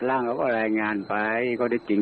มันมีปัญหาว่าให้คนไปเจดต่อ